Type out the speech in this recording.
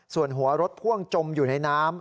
ส่วนหัวรถพ่วงจมอยู่ในน้ำ